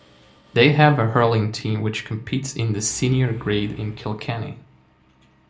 They have a hurling team which competes in the Senior grade in Kilkenny.